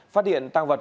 phát hiện tăng vật